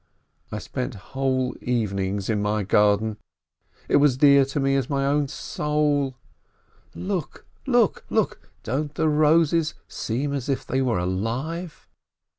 I spent whole evenings in my garden. It was dear to me as my own soul. Look, look, look, don't the roses seem as if they were alive?"